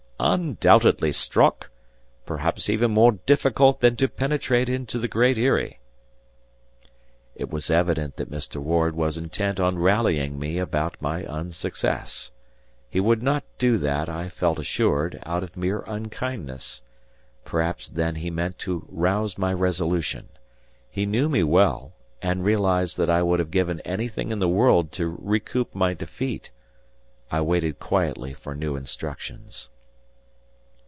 "Undoubtedly, Strock. Perhaps even more difficult than to penetrate into the Great Eyrie." It was evident that Mr. Ward was intent on rallying me about my unsuccess. He would not do that, I felt assured, out of mere unkindness. Perhaps then he meant to rouse my resolution. He knew me well; and realized that I would have given anything in the world to recoup my defeat. I waited quietly for new instructions.